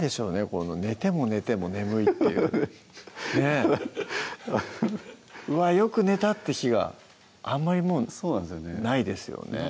この寝ても寝ても眠いっていうねぇ「うわぁよく寝た」って日があんまりもうそうなんですよねないですよね